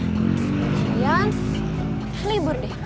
kemudian libur deh